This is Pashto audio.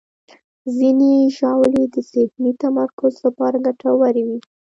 ځینې ژاولې د ذهني تمرکز لپاره ګټورې وي.